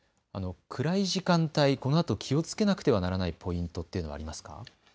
暗い時間帯、このあと気をつけなければならないポイントってありますか。